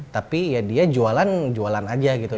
tapi ya dia jualan jualan aja gitu